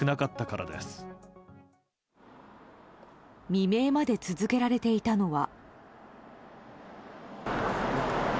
未明まで続けられていたのは。